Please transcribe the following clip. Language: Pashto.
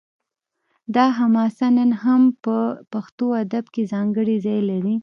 دا حماسه نن هم په پښتو ادب کې ځانګړی ځای لري